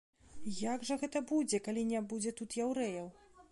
Як жа гэта будзе, калі не будзе тут яўрэяў?